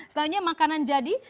selanjutnya makanan jadi